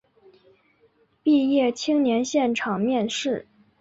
毕业青年现场面试